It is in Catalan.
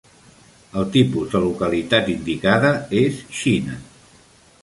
El tipus de localitat indicada és "Xina".